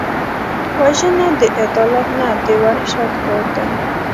وژنه د عدالت نه، د وحشت کار دی